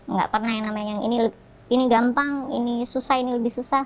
nggak pernah yang namanya yang ini gampang ini susah ini lebih susah